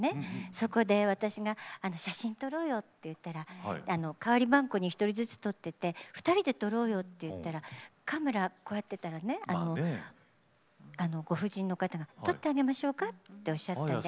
そこで私が写真撮ろうよって言ったら代わりばんこに１人ずつ撮ってて２人で撮ろうよって言ったらカメラこうやってたらねご婦人の方が「撮ってあげましょうか」っておっしゃったんで。